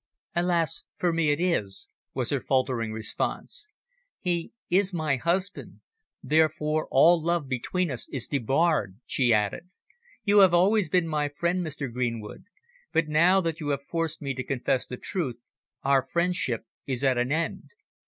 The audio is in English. "Alas for me it is," was her faltering response. "He is my husband, therefore all love between us is debarred," she added. "You have always been my friend, Mr. Greenwood, but now that you have forced me to confess the truth our friendship is at an end."